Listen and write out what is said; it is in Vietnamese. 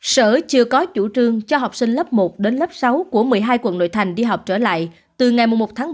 sở chưa có chủ trương cho học sinh lớp một đến lớp sáu của một mươi hai quận nội thành đi học trở lại từ ngày một tháng bảy